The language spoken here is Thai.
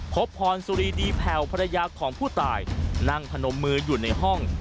พบพรสุรีดีแผ่วภรรยาของผู้ตายนั่งพนมมืออยู่ในห้อง